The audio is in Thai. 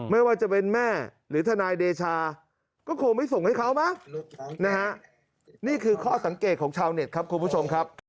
ไม่ว่าจะเป็นแม่หรือทนายเดชาก็คงไม่ส่งให้เขามั้งนะฮะนี่คือข้อสังเกตของชาวเน็ตครับคุณผู้ชมครับ